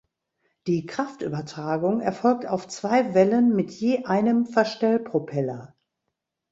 Die Kraftübertragung erfolgt auf zwei Wellen mit je einem Verstellpropeller.